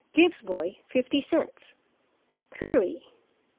Gives boy fifty cents. Query.